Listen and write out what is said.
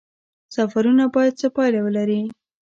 سفرونه باید څه پایله ولري؟